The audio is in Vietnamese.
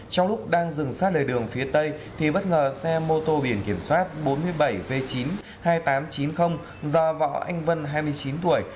trong lúc đang dừng sát lề đường phía tây thì bất ngờ xe mô tô biển kiểm soát bốn mươi bảy v chín mươi hai nghìn tám trăm chín mươi do võ anh vân hai mươi chín tuổi